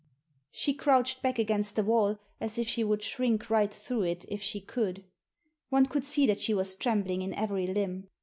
She crouched back against the wall, as if she would shrink right through it if she could. One could see that she was trembling in every limb.